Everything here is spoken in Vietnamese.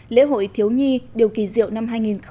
lễ hội thiếu nhi điều kỳ diệu năm hai nghìn một mươi chín